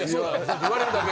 言われるだけ。